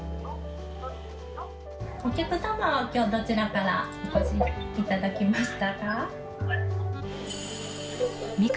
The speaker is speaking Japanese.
お客様は、きょうはどちらからお越しいただきましたか？